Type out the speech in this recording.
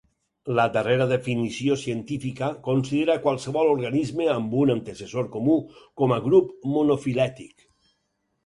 La darrera definició científica considera qualsevol organisme amb un antecessor comú com a grup monofilètic.